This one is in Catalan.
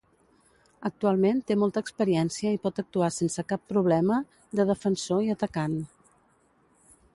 Actualment té molta experiència i pot actuar sense cap problema de defensor i atacant.